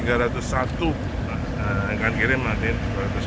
yang kira kira satu ratus sepuluh ya